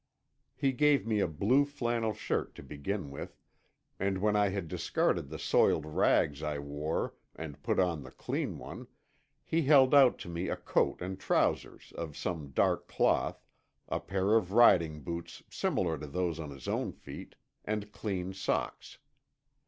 He gave me a blue flannel shirt to begin with, and when I had discarded the soiled rags I wore and put on the clean one, he held out to me a coat and trousers of some dark cloth, a pair of riding boots similar to those on his own feet, and clean socks.